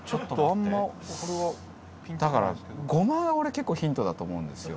だから「ごま」が俺結構ヒントだと思うんですよ。